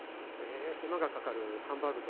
え手間がかかるハンバーグとか。